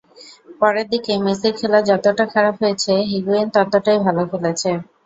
পরের দিকে মেসির খেলা যতটা খারাপ হয়েছে হিগুয়েইন ততটাই ভালো খেলেছে।